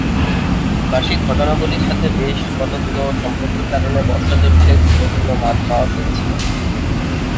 বার্ষিক ঘটনাবলির সাথে বেশ কতগুলো সম্পর্কের কারণে বর্ষ-দৈর্ঘ্যের ভিন্ন ভিন্ন মান পাওয়া গিয়েছিল।